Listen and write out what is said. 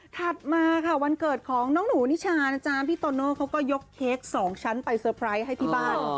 ถัดมาค่ะวันเกิดของน้องหนูนิชานะจ๊ะพี่โตโน่เขาก็ยกเค้กสองชั้นไปเตอร์ไพรส์ให้ที่บ้าน